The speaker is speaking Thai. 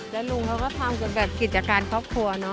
และลุงเราก็ทำกับกิจการครอบครัว